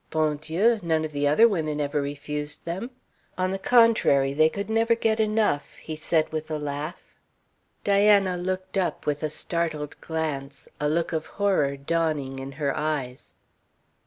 Bon Dieu! None of the other women ever refused them. On the contrary, they could never get enough," he said with a laugh. Diana looked up with a startled glance, a look of horror dawning in her eyes.